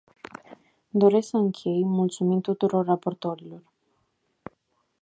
Doresc să închei mulțumind tuturor raportorilor.